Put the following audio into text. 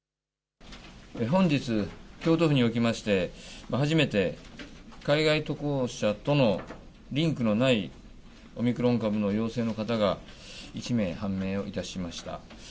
本日、京都府におきまして初めて海外渡航者とのリンクのない、オミクロン株の陽性の方が１名判明をいたしました。